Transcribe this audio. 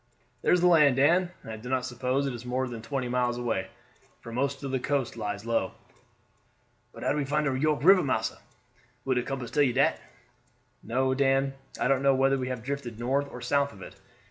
"There is the land, Dan; and I do not suppose it is more than twenty miles away, for most of the coast lies low." "But how we find de York River, massa? Will de compass tell you dat?" "No, Dan. I don't know whether we have drifted north or south of it.